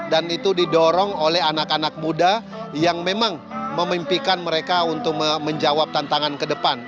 dan itu didorong oleh anak anak muda yang memang memimpikan mereka untuk menjawab tantangan ke depan